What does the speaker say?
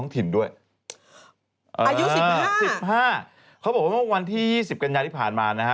สิบห้าเขาบอกว่าวันที่สิบกันยาที่ผ่านมานะฮะ